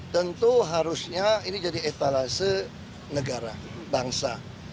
tentu harusnya ini jadi etalase negara bangsa